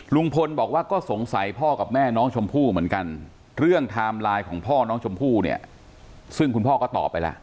ลุงพลบอกว่าก็สงสัยพ่อกับแม่น้องชมพู่เหมือนกันเรื่องไทม์ไลน์ของพ่อน้องชมพู่เนี่ยซึ่งคุณพ่อก็ตอบไปล่ะ